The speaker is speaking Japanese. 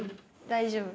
大丈夫？